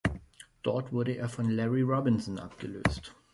Dort wurde er von Larry Robinson abgelöst.